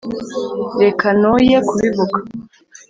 Reka noye kubivuga